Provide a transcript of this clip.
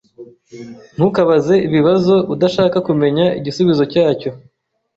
Ntukabaze ibibazo udashaka kumenya igisubizo cyacyo.